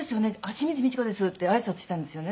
「清水ミチコです」って挨拶したんですよね。